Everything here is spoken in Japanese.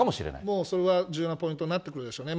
もうそれは重要なポイントになってくるでしょうね。